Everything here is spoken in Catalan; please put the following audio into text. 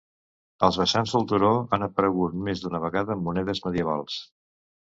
Als vessants del turó han aparegut més d'una vegada monedes medievals.